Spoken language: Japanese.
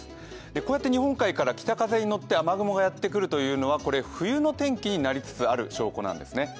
こうやって日本海から北風に乗って雨雲がやってくるのは冬の天気になりつつある証拠なんです。